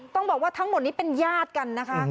ต้องบอกว่าทั้งหมดนี้เป็นญาติกันนะคะ